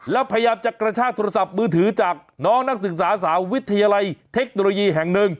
แล้วพยายามจะกระชากโทรศัพท์มือถือจากน้องนักศึกษาสาววิทยาลัยเทคโนโลยีแห่งหนึ่ง